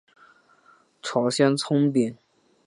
朝鲜葱饼。